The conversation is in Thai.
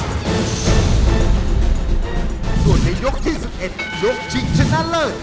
ส่วนในยกที่๑๑ยกชิงชนะเลิศ